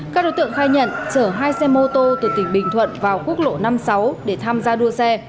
các đối tượng khai nhận chở hai xe mô tô từ tỉnh bình thuận vào quốc lộ năm mươi sáu để tham gia đua xe